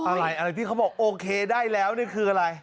อะไรอะไรที่เขาบอกโอเคได้แล้วนี่คืออะไร